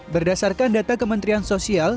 berdasarkan data kementerian sosial